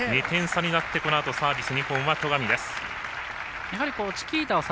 ２点差になってこのあとサービス２本は戸上。